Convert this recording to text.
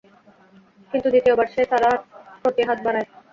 কিন্তু দ্বিতীয়বার সে সারাহ্ প্রতি হাত বাড়ায়।